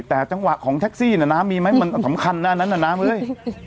แต่จังหวะของแท็กซี่นะนะมีมั้ยมันสำคัญหน้านั้นน้ำเลย